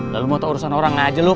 lalu mau tau urusan orang aja lu